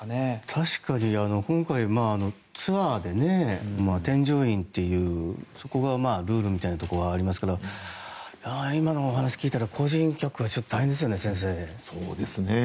確かに今回はツアーで添乗員というそこがルールみたいなところはありますけど今のお話聞いたら個人客は大変ですよね、先生。